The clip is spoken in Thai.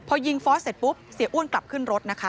พอยิงฟอสเสร็จปุ๊บเสียอ้วนกลับขึ้นรถนะคะ